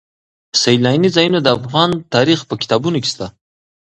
سیلاني ځایونه د افغان تاریخ په کتابونو کې شته.